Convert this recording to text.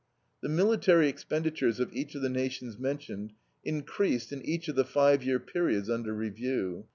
The military expenditures of each of the nations mentioned increased in each of the five year periods under review.